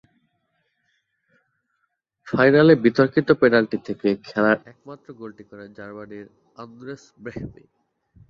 ফাইনালে বিতর্কিত পেনাল্টি থেকে খেলার একমাত্র গোলটি করেন জার্মানির আন্দ্রেস ব্রেহমি।